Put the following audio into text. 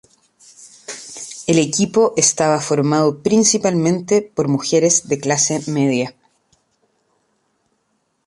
El equipo estaba formado principalmente por mujeres de clase media.